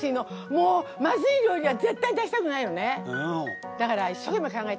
もうまずい料理は絶対出したくないのね。